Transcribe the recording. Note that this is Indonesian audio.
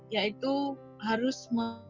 yaitu harus melakukan